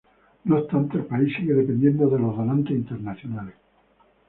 No obstante, el país sigue dependiendo de los donantes internacionales.